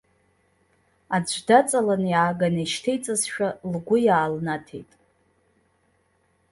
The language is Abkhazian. Аӡә даҵаланы иааганы ишьҭеиҵазшәа лгәы иаалнаҭеит.